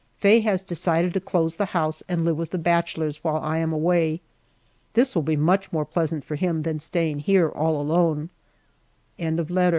Faye has decided to close the house and live with the bachelors while I am away. This will be much more pleasant for him than staying here all alone.